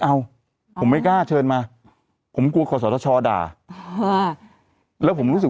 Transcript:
เอาผมไม่กล้าเชิญมาผมกลัวขอสอทชด่าแล้วผมรู้สึก